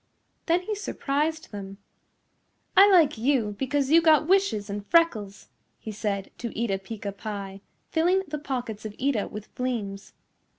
Then he surprised them. "I like you because you got wishes and freckles," he said to Eeta Peeca Pie, filling the pockets of Eeta with fleems.